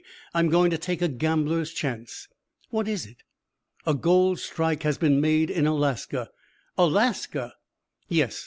I am going to take a gambler's chance." "What is it?" "A gold strike has been made in Alaska " "Alaska!" "Yes!